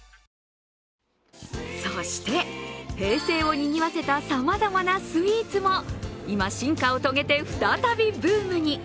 そして、平成をにぎわせたさまざまなスイーツも今、進化を遂げて再びブームに。